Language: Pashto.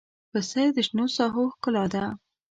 پسه د شنو ساحو ښکلا ده.